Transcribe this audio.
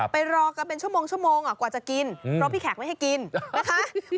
ไปรอกันเป็นชั่วโมงกว่าจะกินเพราะพี่แขกไม่ให้กินนะคะ